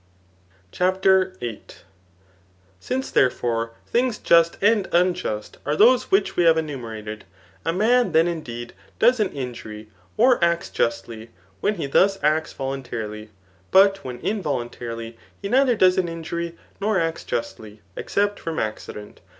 CHAPTER VIII. Since, therefore, things just and unjust are those which we have enomerated, a man then indeed does an injury, or acts justly, when he thus acts voluntarily ; but ifhen involuntarily, he neither does an injury, nor acts justly, except from accident.